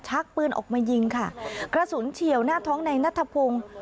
ชักปืนออกมายิงค่ะกระสุนเฉียวหน้าท้องในนัทพงศ์